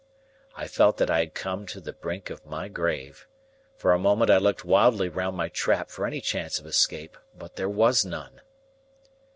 I felt that I had come to the brink of my grave. For a moment I looked wildly round my trap for any chance of escape; but there was none.